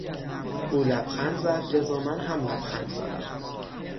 او لبخند زد لذا من هم لبخند زدم.